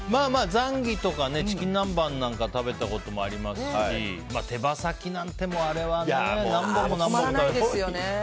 ザンギとかチキン南蛮は食べたこともありますし手羽先なんてのも何本も何本も。